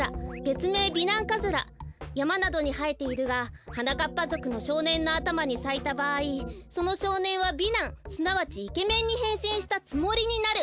べつめい美男カズラやまなどにはえているがはなかっぱぞくのしょうねんのあたまにさいたばあいそのしょうねんは美男すなわちイケメンにへんしんしたつもりになる。